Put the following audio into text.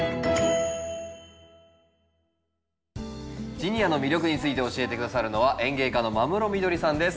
ジニアの魅力について教えて下さるのは園芸家の間室みどりさんです。